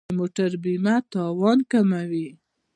د موټر بیمه تاوان کموي.